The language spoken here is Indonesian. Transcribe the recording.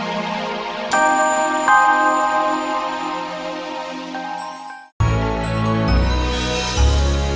ledah seluruh kampung